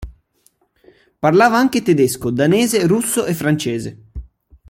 Parlava anche tedesco, danese, russo e francese.